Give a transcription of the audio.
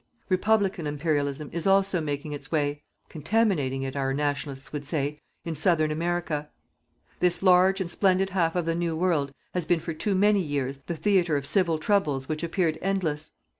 Republican Imperialism is also making its way contaminating it, our "Nationalists" would say in Southern America. This large and splendid half of the New World has been for too many years the theatre of civil troubles which appeared endless.